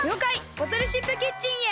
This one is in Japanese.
ボトルシップキッチンヘ。